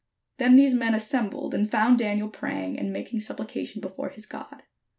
Then these men assembled, and found Daniel praying and making suppli cation before his God.